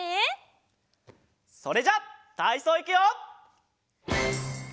それじゃたいそういくよ。